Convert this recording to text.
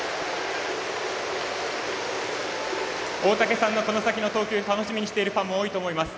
大竹さんの、この先の投球楽しみにしているファンも多いと思います。